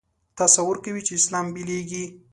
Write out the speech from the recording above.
تصور کوي چې اسلام بېلېږي.